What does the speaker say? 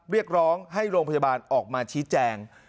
เรียกร้องให้โรงพยาบาลออกมาชี้แจง